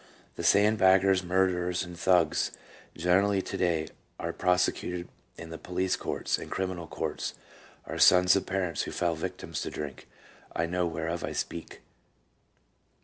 ... The sand baggers, murderers, and thugs generally to day who are prosecuted in the police courts and criminal courts are sons of parents who fell victims to drink. ... I know whereof I speak."